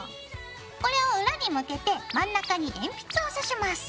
これを裏に向けて真ん中に鉛筆をさします。